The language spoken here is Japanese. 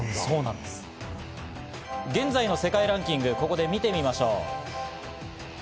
現在の世界ランキング、ここで見てみましょう。